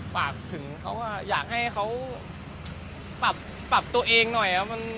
ฝากถึงเขาว่าอยากให้เขาปรับตัวเองหน่อยครับ